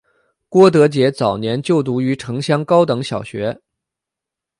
郭德洁早年就读于城厢高等小学。